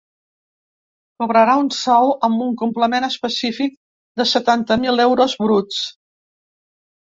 Cobrarà un sou, amb un complement específic, de setanta mil euros bruts.